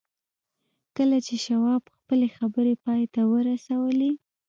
کله چې شواب خپلې خبرې پای ته ورسولې